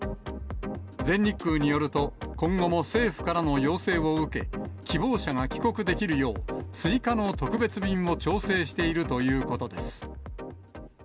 全日空によると、今後も政府からの要請を受け、希望者が帰国できるよう、追加の特別便を調整しているということです。